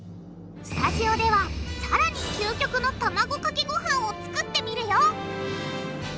スタジオではさらに究極の卵かけごはんを作ってみるよ！